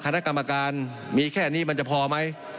คณะกรรมการมีแค่นี้มันจะพอไหม